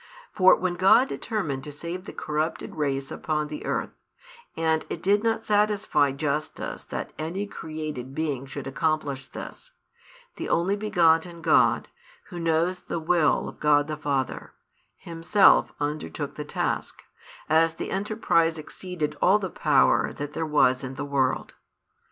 For when God determined to save the corrupted race upon the earth, and it did not satisfy justice that any created being should accomplish this, the Only begotten God, Who knows the Will of God the Father, Himself undertook the task, as the enterprise exceeded all the power that there was in the world.